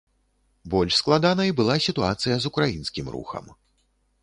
Больш складанай была сітуацыя з украінскім рухам.